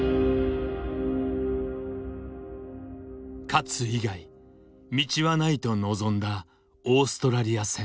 勝つ以外道はないと臨んだオーストラリア戦。